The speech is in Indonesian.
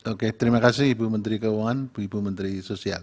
oke terima kasih ibu menteri keuangan ibu menteri sosial